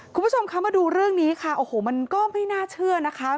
คุณผู้ชมคะมาดูเรื่องนี้ค่ะโอ้โหมันก็ไม่น่าเชื่อนะคะ